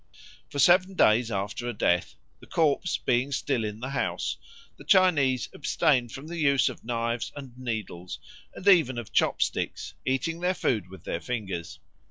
For seven days after a death, the corpse being still in the house, the Chinese abstain from the use of knives and needles, and even of chopsticks, eating their food with their fingers.